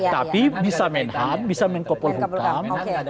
tapi bisa menhan bisa menkopol hukum